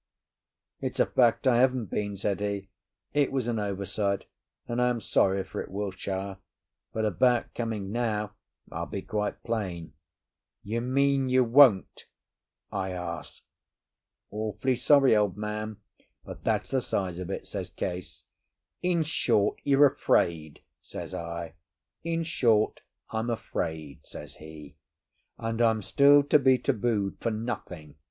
"It's a fact I haven't been," said he. "It was an oversight, and I am sorry for it, Wiltshire. But about coming now, I'll be quite plain." "You mean you won't?" I asked. "Awfully sorry, old man, but that's the size of it," says Case. "In short, you're afraid?" says I. "In short, I'm afraid," says he. "And I'm still to be tabooed for nothing?"